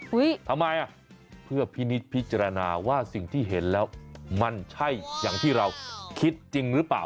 ทำไมอ่ะเพื่อพินิษฐพิจารณาว่าสิ่งที่เห็นแล้วมันใช่อย่างที่เราคิดจริงหรือเปล่า